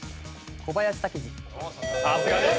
さすがです。